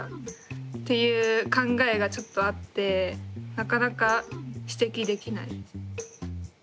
っていう考えがちょっとあってなかなか指摘できないです。